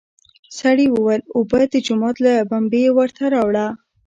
سړي وويل: اوبه د جومات له بمبې ورته راوړه!